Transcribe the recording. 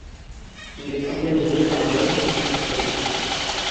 Il est organisé par John et Judy Collins.